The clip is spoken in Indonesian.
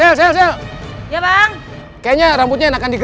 mereka pasti akan lihat sisik di kulitku